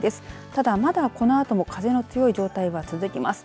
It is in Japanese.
ただ、まだ、このあとも風の強い状態が続きます。